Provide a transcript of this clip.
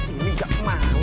ini gak malu